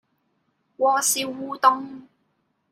鍋燒烏冬